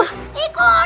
aku gak usah jauh